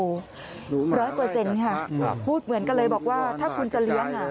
รู้มากเลยครับค่ะรู้มากเลยครับค่ะพูดเหมือนกันเลยบอกว่าถ้าคุณจะเลี้ยง